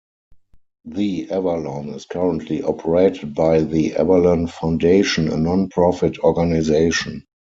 The Avalon is currently operated by The Avalon Foundation, a non-profit organization.